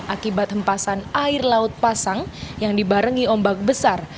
akibat hempasan air laut pasang yang dibarengi ombak besar